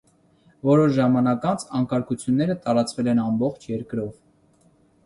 Որոշ ժամանակ անց անկարգությունները տարածվել են ամբողջ երկրով։